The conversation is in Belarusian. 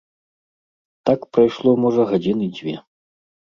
Так прайшло, можа, гадзіны дзве.